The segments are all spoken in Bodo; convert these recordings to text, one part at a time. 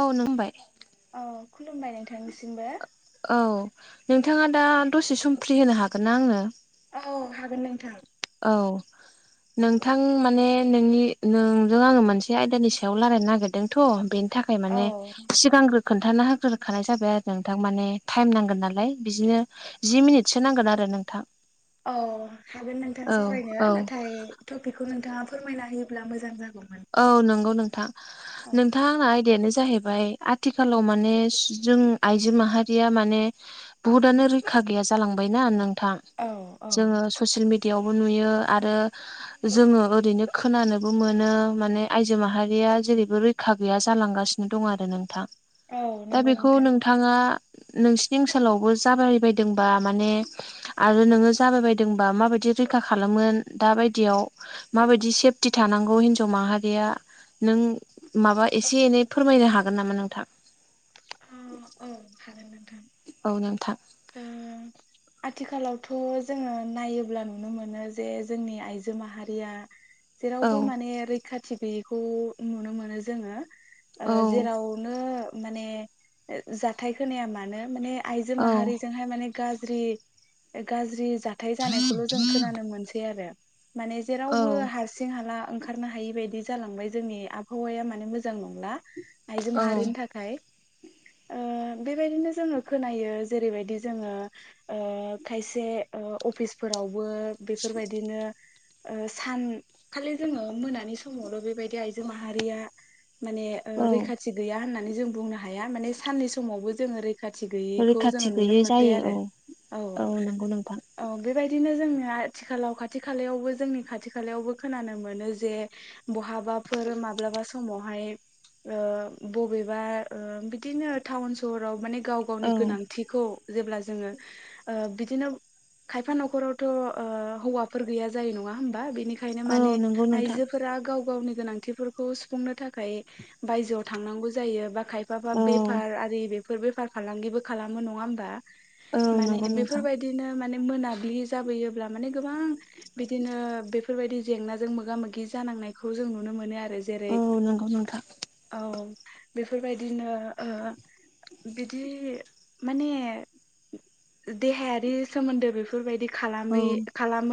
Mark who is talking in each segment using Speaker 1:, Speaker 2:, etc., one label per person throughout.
Speaker 1: औ नों होमबाय [unintelligible]
Speaker 2: औ खुलुमबाय नोंथांनिसिमबो
Speaker 1: औ नोंथाङा दा दसे सम फ्रि होनो हागोन ना आंनो
Speaker 2: औ हागोन नोंथां
Speaker 1: औ नोंथां माने नोंनि नोंजों आङो मोनसे आयदानि सायाव रायलायनो नागिरदोंथ' बे थाखाय माने
Speaker 2: औ
Speaker 1: सिगांग्रो खोन्था होग्रोखानाय जाबाय आरो नोंथां माने टाइम नांगोन नालाय बिदिनो जि मिनिटसो नांगोन आरो नोंथां
Speaker 2: औ हागोन नोंथां
Speaker 1: औ
Speaker 2: सावरायनो
Speaker 1: औ
Speaker 2: नाथाय टपिकखौ नोंथाङा फोरमायना होयोब्ला मोजां जागौमोन
Speaker 1: औ नंगौ नोंथां
Speaker 2: औ
Speaker 1: नोंथां आंना आयदायानो जाहैबाय आथिखालाव माने जों आइजो माहारिया माने बुहुदनो रैखा गैया जालांबायना नोंथां
Speaker 2: औ
Speaker 1: जोङो सु ससियेल मिडियावबो नुयो आरो जोङो ओरैनो खोनानोबो मोनो माने आयजो माहारिया जेरैबो रैखा गैया जालांगासिनो दं आरो नोंथां
Speaker 2: औ
Speaker 1: दा
Speaker 2: नंगौ
Speaker 1: बेखौ नोंथां थाङा नोंसिनि ओनसोलावबो जाबायबायदोंबा माने आरो नोङो जाबाय बायदोंबा माबायदि रैखा खालामोन दााबायदियाव माबायदि सेफटि थानांगौ हिनजाव माहारिया नों माबा एसे एनै फोरमायनो हागोन नामा नोंथां
Speaker 2: औ औ हागोन नोंथां
Speaker 1: औ नोंथां
Speaker 2: ओ आथिखालावथ' जोङो नायोब्ला नुनो मोनो जे जोंनि आइजो माहारिया
Speaker 1: औ
Speaker 2: जेरावबो माने रैखाथि गैयैखौ नुनो मोनो जोङो
Speaker 1: औ
Speaker 2: जेराव ओ माने ओ जाथाय खोनाया मानो माने आयजो माहारिजों गाज्रि गाज्रि जाथाय जानायखौल' जों खोनानो मोनसै आरो माने
Speaker 1: औ
Speaker 2: जेरावबो हार सिं हाला ओंखारनो हायि बायदि जालांबाय जोंनि आबहावाया माने मोजां नंला आइजो
Speaker 1: औ
Speaker 2: माहारिनि थाखाय बेबायदिनो जोङो खोनायो जेरैबायदि जोङो खायसे अफिसफोरावबो बेफोरबायदिनो सानखालि जोङो मोनानि समावल' बेबायदि आइजो माहारिया माने
Speaker 1: औ
Speaker 2: रैखाथि गैया होननानै जों बुंनो हाया माने साननि समावबो जोङो खाथि गैयिखौ जोङो
Speaker 1: रैखाथि
Speaker 2: नुनो
Speaker 1: गैयै
Speaker 2: मोनबाय
Speaker 1: जायो
Speaker 2: आरो
Speaker 1: औ
Speaker 2: औ
Speaker 1: नंगौ नोंथां
Speaker 2: औ बेबायदिनो जोंनि आथिखालाव खाथि खालायावबो जोंनि खाथि खालायावबो खोनानो मोनो जे बहाबाफोर माब्लाबा समावहाय ओ बबेबा बिदिनो टाउन सहराव माने गाव गावनि
Speaker 1: औ
Speaker 2: गोनांथिखौ जेब्ला जोङो बिदिनो खायफा न'खरावथ' ओ हौवाफोर गैया जायो नङा होमबा बिनिखायनो
Speaker 1: औ
Speaker 2: माने
Speaker 1: नंगौ नोंथां
Speaker 2: आइजोफोरा गाव गावनि गोनांथि बेफोरखौ सुफुंनो थाखाय बायजोआव थांनांगौ जायो बा खायफ बा
Speaker 1: औ
Speaker 2: बेफार आरि बे बेफार फालांगिबो खालामो नङा होनबा
Speaker 1: औ
Speaker 2: माने
Speaker 1: नंगौ नोंथां
Speaker 2: बेफोरबायदि बिदिनो माने मोनाब्लि जाबोयोब्ला माने गोबां बिदिनो बेफोरबायदि जेंनाजों मोगा मोगि जानांनायखौ जों नुनो मोनो आरो जेरै
Speaker 1: औ नंगौ नोंथां
Speaker 2: औ बेफोरबायदिनो बिदि माने देहायारि सोमोन्दो बेफोरबायदि
Speaker 1: औ
Speaker 2: खालामै खालाम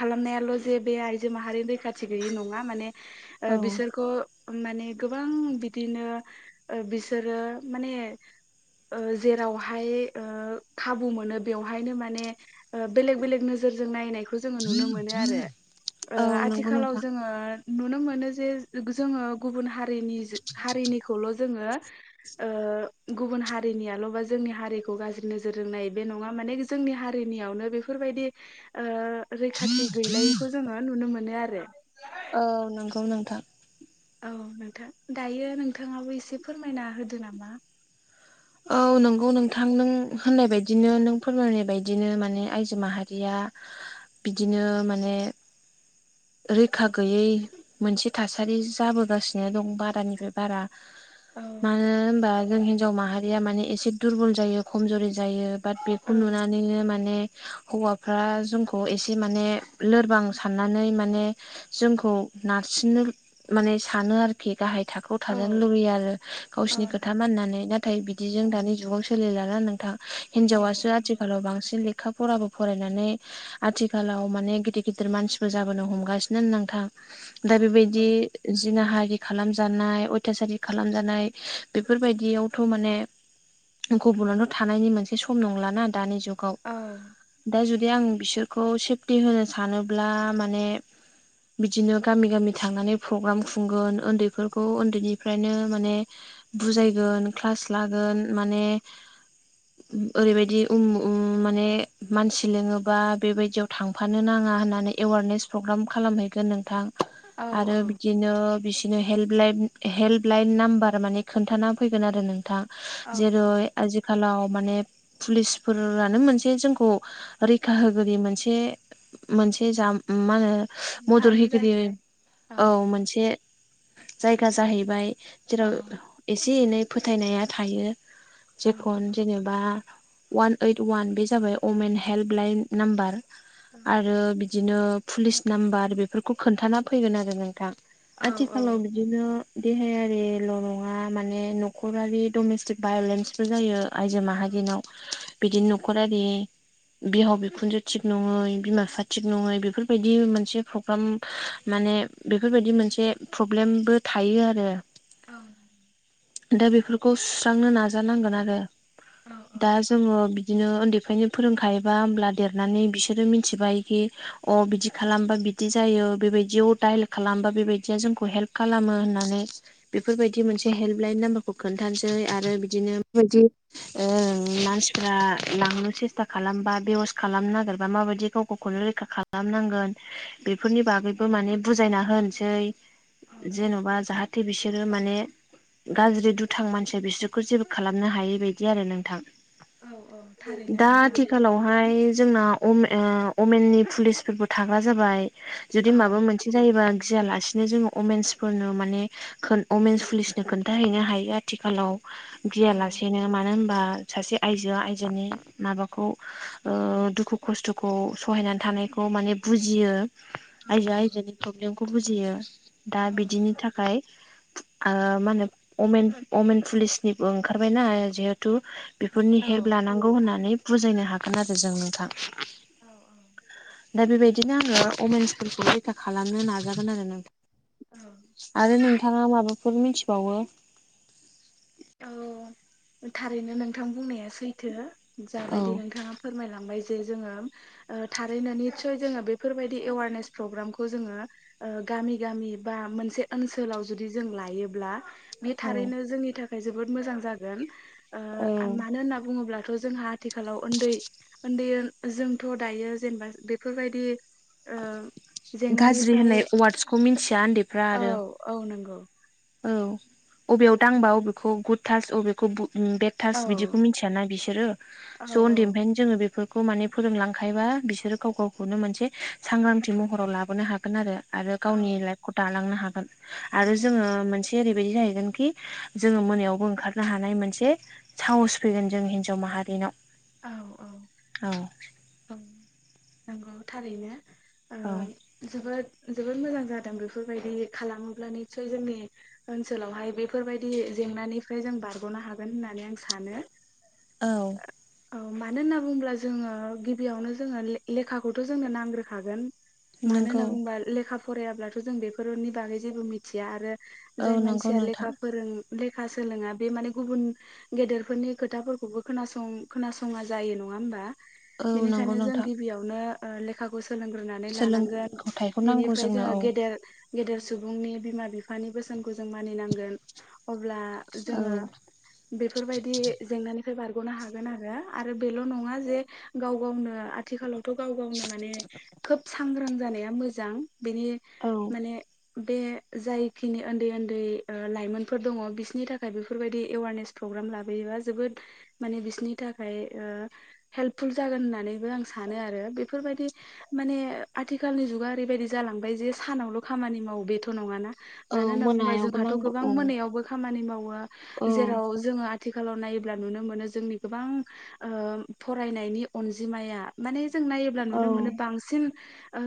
Speaker 2: खालामनायाल' जे बे आइजो माहारिनि रैखाथि गैयि नङा माने
Speaker 1: औ
Speaker 2: बिसोरखौ माने गोबां बिदिनो बिसोरो माने जेरावहाय खाबु मोनो बेवहायनो माने बेलेग बेलेग नोजोरजों नायनायखौ खौ जोङो नुनो मोनो आरो
Speaker 1: औ नंगौ
Speaker 2: आथिखालाव
Speaker 1: नोंथां
Speaker 2: जोङो नुनो मोनो जे जोङो गुबुन हारिनि हारिनिखौल' जोङो। गुबुन हारिनियाल'बा जोंनि हारिखौ गाज्रि नोजोर रोंनाय बे नङा माने। जोंनि हारिनियावनो बेफोरबायदि‌। रैखाथि गैलायैखौ जोंङो नुनो मोनो आरो।
Speaker 1: औ नंगौ नोंथां।
Speaker 2: औ नोंथां दायो नोंथांङाबो एसे फोरमायना होदो नामा।
Speaker 1: औ नंगौ नोंथां नों होननाय बदिनो नों फोरमायनाय बायदिनो माने आइजो माहारिया बिदिनो माने रैखा गैयै मोनसे थासारि जाबोगासिनो दं बारानिफ्राय बारा।
Speaker 2: औ
Speaker 1: मानो होनबा जों हिनजाव माहारिया माने एसे दुरबल जायो खमजुरि जायो। बाट
Speaker 2: औ
Speaker 1: बेखौ नुनानैनो माने हौवाफ्रा जोंखौ एसे माने लोरबां साननानै माने माने जोंखौ नारसिननो माने सानो आरोखि। गाहाय थाखोआव
Speaker 2: औ
Speaker 1: थाजानो लुबैयो आरो
Speaker 2: औ
Speaker 1: गावसोरनि खोथा
Speaker 2: नंगौ
Speaker 1: मानिनानै। दा नाथाय बिदिजों दानि जुगाव सोलिलाना नोंथां
Speaker 2: औ
Speaker 1: हिनजावासो
Speaker 2: नंगौ।
Speaker 1: आथिखालाव बांसिन लेखा लेखा फराबो फरायनानै आथिखालाव माने गिदिर गिदिर मानसिबो जाबोनो हमगासिनो नोंथां।
Speaker 2: औ
Speaker 1: दा
Speaker 2: नंगौ।
Speaker 1: बेबायदि जिना हारि खालामजानाय अयथासारि खालामजानाय बेफोरबायदियावथ' माने गबनाल' थानायनि मोनसे सम नंलाना दानि जुगाव।
Speaker 2: औ
Speaker 1: दा जुदि आं बिसोरखौ सेफटि होनो सानोब्ला माने बिदिनो गामि गामि थांनानै प्रग्राम खुंगोन उन्दैफोरखौ उन्दैनिफ्रायनो माने बुजायगोन क्लास लागोन माने
Speaker 2: [inaudible]
Speaker 1: ओरैबायदि उ माने मानसि लिङोबा बेबायदियाव थां थांफानो नांङा होननानै एवारनेस प्रग्राम खालामहैगोन नोंथां
Speaker 2: औ
Speaker 1: आरो बिदि
Speaker 2: औ
Speaker 1: बिदिनो बिसिनो हेल्प हेल्प लाइन नाम्बार माने खोनथाना फैगोन आरो नोंथां
Speaker 2: औ
Speaker 1: जेरै
Speaker 2: औ
Speaker 1: आजि आथिखालाव माने पुलिसफोरानो मोनसे जोंखौ रैखा होगिरि मोनसे मोनसे जा मा होनो
Speaker 2: बिफानो
Speaker 1: मदरहोगिरि
Speaker 2: जाहैबाय
Speaker 1: औ मोनसे जायगा जाहैबाय
Speaker 2: औ
Speaker 1: जेराव एसे एनै फोथायनाया थायो
Speaker 2: औ
Speaker 1: जेखन जेनेबा अवान ओइट वान बे जाबाय अमेन हेल्प लाइन नाम्बार आरो बिदिनो पुलिस नाम्बार बेफोरखौ खोन्थाना फैगोन आरो नोंथां
Speaker 2: औ
Speaker 1: आथिखालाव बिदिनो देहायारिल' नङा माने न'खरारि डमेस्टिक भायलेन्सबो जायो। आइजो माहारिनाव बिदिनो न'खरारि बिहाव बिखुनजो थिग नङै बिमा बिफा थिग नङै बेफोर बेफोरबायदि मोनसे प्रग्राम माने बेफोरबायदि मोनसे प्रब्लेमबो थायो आरो
Speaker 2: औ
Speaker 1: दा बेफोरखौ सुस्रांनो नाजानांगोन आरो
Speaker 2: औ
Speaker 1: दा जोङो बिदिनो उन्दैफ्रायनो फोरोंखायोबा होमब्ला देरनानै बिसोरो मिथिबायखि अ बिदि खालामबा बिदि जायो बेबायदि अ दायेल खालामबा बेबायदिया जोंखौ हेल्प खालामो होननानै बेफोरबायदि मोनसे हेल्प लाइन नाम्बारखौ खोनथानोसै आरो बिदिनो बेबायदि मानसिफ्रा लांनो सेस्था खालामबा बेवस् खालामनो नागिरबा माबायदि गाव गावखौनो रैखा खालामनांगोन बेफोरनि बागैबो माने बुजायना होनोसै जेन'बा जाहाथे बिसोरो माने गाज्रि दुथां मानसिया बिसोरखौ जेबो खालामनो हायै बादि आरो नोंथां
Speaker 2: औ औ थारैनो
Speaker 1: दा
Speaker 2: नोंथां
Speaker 1: आथिखालावहाय जोंना अमेननि पुलिस बो थाग्रा जाबाय जुदि
Speaker 2: औ
Speaker 1: माबा मोनसे जायोबा गियालासिनो जोङो अमेन्सफोरनो माने वमेन्स पुलिसनो खोन्थाहैनो हायो आथिखालाव
Speaker 2: औ
Speaker 1: गियालासेनो मानो होनबा सासे आइजोआ आइजोनि माबाखौ दुखु खस्थ'खौ सहायनानै थानायखौ खौ माने बुजियो
Speaker 2: औ
Speaker 1: आयजोआ
Speaker 2: नंगौ
Speaker 1: आयजोनि प्रब्लेमखौ बुजियो दा
Speaker 2: औ
Speaker 1: बिदिनि
Speaker 2: नंगौ
Speaker 1: थाखाय मानो अमेन अमेन पुलिसनिबो ओंखारबायना जिहेथु बेफोरनि
Speaker 2: औ
Speaker 1: हेल्प लानांगौ होननानै बुजायनो हागोन आरो जों नोंथां दा बेबायदिनो आङो अमेन्सफोरखौ रैखा खालामनो नाजागोन आरो नों
Speaker 2: औ
Speaker 1: आरो नोंथाङा माबाफोर मिथिबावो
Speaker 2: औ थारैनो नोंथां बुंनाया सैथो
Speaker 1: औ
Speaker 2: जाबायदि नोंथाङा फोरमायलांबाय जे जोङो थारैनो निसय जोङो बेफोरबायदि एवारनेस प्रग्रामखौ जोङो गामि गामि बा मोनसे ओनसोलाव जुदि जों लायोब्ला बे
Speaker 1: औ
Speaker 2: थारैनो जोंनि थाखाय जोबोद मोजां जागोन
Speaker 1: औ
Speaker 2: मानो होनना बुङोब्लाथ' जोंहा आथिखालाव उन्दै उन्दै जोंथ' दायो जेनेबा बेफोरबायदि ओ
Speaker 1: गाज्रि
Speaker 2: जेंनानिफ्राय
Speaker 1: होननाय वार्डसखौ मिन्थिया उन्दैफ्रा
Speaker 2: औ
Speaker 1: आरो
Speaker 2: औ नंगौ
Speaker 1: औ बबेयाव दांबा अबेखौ गुद थास बबेखौ बे थास्
Speaker 2: औ
Speaker 1: बिदिखौ मिथियाना बिसोरो
Speaker 2: औ
Speaker 1: स'
Speaker 2: औ
Speaker 1: उन्दैनिफ्राय जोङो बेफोरखौ माने फोरोंलांखायो बा बिसोरो गाव गावखौनो मोनसे सांग्रांथि महराव लाबोनो हागोन आरो। आरो
Speaker 2: औ
Speaker 1: गावनि लाइफखौ दालांनो हागोन आरो जोङो
Speaker 2: औ
Speaker 1: मोनसे ओरैबायदि जाहैगोन खि जोङो मोनायावबो ओंखारनो हानाय मोनसे साहस फैगोन जों हिनजाव माहारिनाव।
Speaker 2: औ औ
Speaker 1: औ
Speaker 2: ओं नंगौ थारैनो। ओ
Speaker 1: औ
Speaker 2: जोबोद जोबोद मोजां जादों बेफोर बायदि खालामोब्ला निसय जोंनि ओनसोलावहाय बेफोर बायदि जेंनानिफ्राय जों बारग'नो हागोन होननानै आं सानो।
Speaker 1: औ।
Speaker 2: औ मानो होनना बुङोब्ला जोङो गिबियावनो जोङो ले-लेखाखौथ' जोंनो नांग्रोखागोन। मानो होनना
Speaker 1: नंगौ
Speaker 2: बुङोबा लेखा फरायाब्लाथ' जों बेफोरनि बागै जेबो मिथि मिथिया आरो
Speaker 1: औ
Speaker 2: जाय
Speaker 1: नंगौ
Speaker 2: मानसिया
Speaker 1: नोंथां
Speaker 2: लेखा फोरों लेखा सोलोङा बे माने गुबुन गेदेरफोरनि खोथाफोरखौबो खोनासं खोनासङा जायो नङा होमबा
Speaker 1: औ नंगौ
Speaker 2: बेनिखायनो जों
Speaker 1: नोंथां
Speaker 2: गिबियावनो ओ लेखाखौ सोलोंग्रोना नानै लानांगोन
Speaker 1: सोलोंथाइखौ नांगौ
Speaker 2: बिनिफ्राय
Speaker 1: जोंनो
Speaker 2: जोङो
Speaker 1: औ
Speaker 2: गेदेर गेदेर सुबुंनि बिमा-बिफानि बोसोनखौ जों मानिनांगोन अब्ला जोङो बेफोर बायदि जेंनानिफ्राय बारग'नो हागोन गोन आरो आरो बेल' नङा जे गाव गावनो आथ आथिखालावथ' गाव गावनो माने खोब सांग्रां जानाया मोजां बेनि
Speaker 1: औ
Speaker 2: माने बे जायखिनि उन्दै उन्दै ओ लाइमोनफोर दङ' बिसनि थाखाय बेफोर बायदि एवारनेस प्रग्राम लाबोयोबा जोबोद माने बिसनि थाखाय ओ हेल्पफुल जागोन होननानैबो आं सानो आरो बेफोर बायदि माने आथिखालनि जुगा ओरैबायदि जालांबाय जे सानावल' खामानि मावो बेथ' नङाना।
Speaker 1: औ
Speaker 2: मानो होनना बुङोबा
Speaker 1: मोनायावबो
Speaker 2: जोंहाथ'
Speaker 1: नांगौ
Speaker 2: गोबां
Speaker 1: औ
Speaker 2: मोनायावबो खामानि मावो जेराव जोङो आथिखालाव नायोब्ला नुनो मोनो जोंनि गोबां ओ फरायनायनि अनजिमाया माने जों नायोब्ला
Speaker 1: औ
Speaker 2: नुनो मोनो
Speaker 1: उम
Speaker 2: बांसिन ओ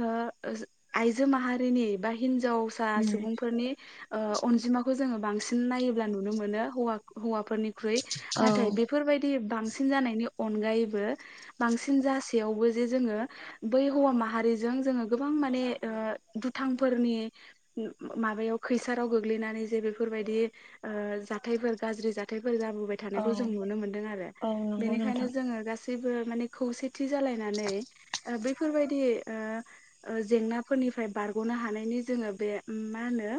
Speaker 2: सो आइजो माहारिनि बा हिन्जावसा सुबुंफोरनि ओ अनजिमाखौ जोङो बांसिन नायोब्ला नुनो मोनो हौवा-हौवाफोरनिख्रुइ
Speaker 1: औ
Speaker 2: नाथाय बे बेफोर बायदि बांसिन जानायनि अनगायैबो बांसिन जासेयावबो जे जोङो बै हौवा माहारिजों जोङो गोबां माने ओ दुथांफोरनि माबायाव खैसाराव गोग्लैनानै जे बेफोर बायदि ओ जाथायफोर गाज्रि जाथायफोर जाबोबाय थानायखौ जों नुनो मोनदों आरो
Speaker 1: औ नंगौ
Speaker 2: बेनिखायनो
Speaker 1: नोंथां
Speaker 2: जों ङो गासैबो माने खौसेथि जालायनानै ओ बैफोर बायदि ओ ओ जेंनाफोरनिफ्राय बारग'नो हानायनि जोङो बे उम मा होनो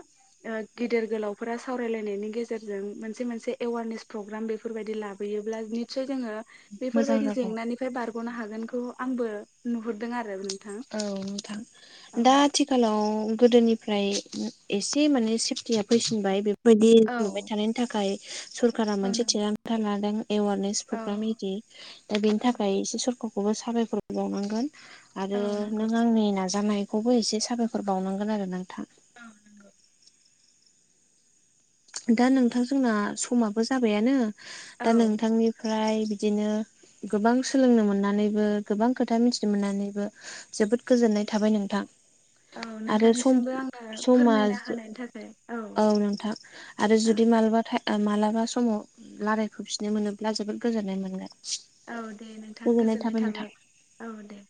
Speaker 2: ओ गिदिर गोलावफोरा सावरायलायनायनि गेजेरजों मोनसे मोनसे एवारनेस प्रग्राम बेफोर बायदि लाबोयो ब्ल निस्सय जोङो बेफोर
Speaker 1: मोजां
Speaker 2: बायदि
Speaker 1: जागौ
Speaker 2: जेंनानि फाय बारग'नो हागोनखौ आंबो नुहरदों आरो नों
Speaker 1: औ नोथां दा आथि आथिखालाव गोदोनिफ्राय एसे माने सेफटिया फैसिनबाय बे बायदि
Speaker 2: औ
Speaker 1: नुबाय थानायनि थाखाय सरकारा
Speaker 2: औ
Speaker 1: मोनसे
Speaker 2: नंगौ
Speaker 1: थिरांथा लादों एवारनेस
Speaker 2: औ
Speaker 1: प्रग्राम इदि दा बेनि
Speaker 2: औ
Speaker 1: थाखाय एसे सरक खौबो साबायखर बावनांगोन आरो
Speaker 2: औ नंगौ
Speaker 1: नों आंनि नाजानाय खौबो एसे साबायखर बावनांगोन आरो नोंथां।
Speaker 2: औ नंगौ।
Speaker 1: दा नोंथां जोंना समाबो जाबायानो दा
Speaker 2: औ
Speaker 1: नोंथांनि फ्राय बिदिनो गोबां सोलोंनो मोननानैबो गोबां खोथा मिथिनो मोननानैबो जोबोद गोजोननाय थाबाय नोंथां।
Speaker 2: औ
Speaker 1: आरो सम
Speaker 2: नोंथांनिसिमबो आङो
Speaker 1: समा
Speaker 2: फोरमायना होनायनि थाखाय
Speaker 1: औ नोंथां। आरो
Speaker 2: औ
Speaker 1: जुदि मालाबा था मालाबा समाव रायलायफैफिननो मोनोब्ला जोबोद गोजोननाय मोनगोन।
Speaker 2: औ दे नोंथां गोजोननाय थाबाय औ दे।